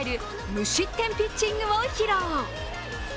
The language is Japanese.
無失点ピッチングを披露。